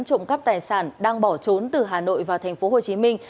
trộm cắp tài sản đang bỏ trốn từ hà nội vào thành phố hồ chí minh